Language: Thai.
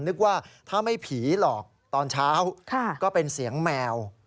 นึกว่าถ้าไม่ผีหรอกตอนเช้าก็เป็นเสียงแมว